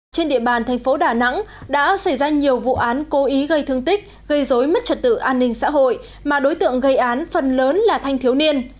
trên địa bàn thành phố đà nẵng đã xảy ra nhiều vụ án cố ý gây thương tích gây dối mất trật tự an ninh xã hội mà đối tượng gây án phần lớn là thanh thiếu niên